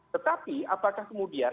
tetapi apakah kemudian